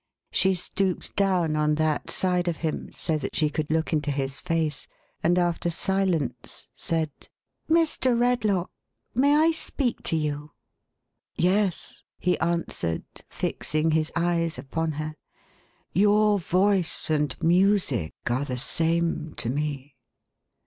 She stooped down on that side of him, so that she could look into his face ; and after silence, said :" Mr. Redlaw, may I speak to you ?" "Yes," he answered, fixing his eyes upon her. " Your voice and music are the same to me."